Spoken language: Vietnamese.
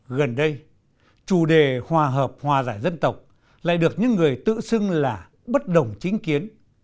gần đây chủ đề hòa hợp hòa giải dân tộc lại được những người tự xưng là bất đồng chính kiến